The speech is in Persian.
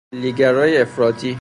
ملی گرای افراطی